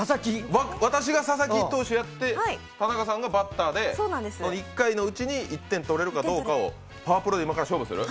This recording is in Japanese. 私が佐々木投手をやって田中さんがバッターで１回のうちに１点とれるかどうかを「パワプロ」で今から勝負する？